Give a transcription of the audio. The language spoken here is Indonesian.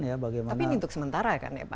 tapi ini untuk sementara kan ya pak